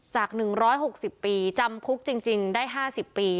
จาก๑๖๐ปีจำคุกจริงได้๕๐ปี